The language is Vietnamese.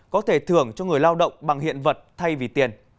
có thể thưởng cho người lao động bằng hiện vật thay vì tiền